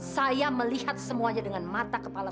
saya melihat semuanya dengan mata kepala